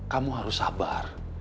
kamu harus sabar